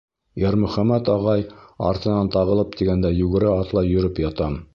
Йәрмөхәмәт ағай артынан тағылып тигәндәй, йүгерә-атлай йөрөп ятам.